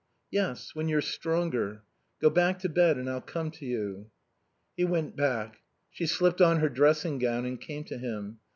"Yes, when you're stronger. Go back to bed and I'll come to you." He went back. She slipped on her dressing gown and came to him.